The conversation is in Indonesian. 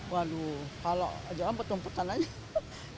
dalam petumputan aja